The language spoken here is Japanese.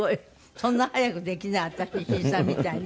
そんな速くできない私石井さんみたいに。